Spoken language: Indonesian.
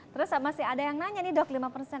terus masih ada yang nanya nih dok lima persen